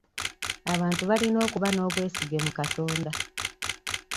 Abantu bayina okuba n'obwesige mu Katonda.